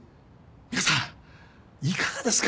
皆さんいかがですか？